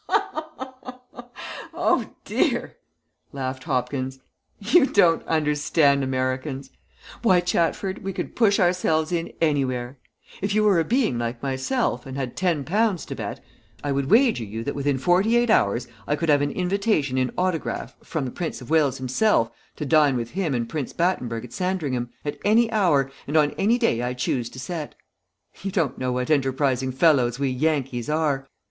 "Oh, dear!" laughed Hopkins. "You don't understand Americans. Why, Chatford, we can push ourselves in anywhere. If you were a being like myself, and had ten pounds to bet, I would wager you that within forty eight hours I could have an invitation in autograph from the Prince of Wales himself to dine with him and Prince Battenburg at Sandringham, at any hour, and on any day I choose to set. You don't know what enterprising fellows we Yankees are.